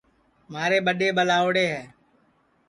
مھارے ٻڈؔے ٻلاؤڑے ہے